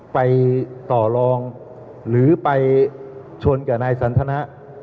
ไปต่อลองหรือไปชนกับนายสันทนะ